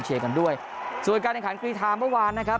เชียร์กันด้วยส่วนการเงินขันคลีทธรรมเมื่อวานนะครับ